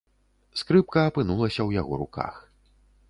Скрыпка апынулася ў яго руках.